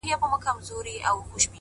په سپين لاس کي يې دی سپين سگريټ نيولی؛